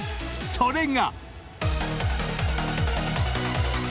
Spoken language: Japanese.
［それが］